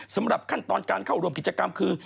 สำหรับขั้นตอนการเข้าร่วมกิจกรรมคือ